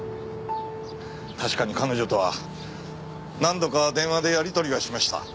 確かに彼女とは何度か電話でやり取りはしました。